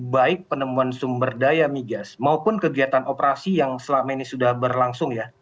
baik penemuan sumber daya migas maupun kegiatan operasi yang selama ini sudah berlangsung ya